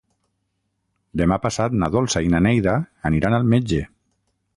Demà passat na Dolça i na Neida aniran al metge.